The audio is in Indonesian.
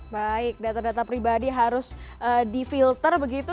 baik data data pribadi harus di filter begitu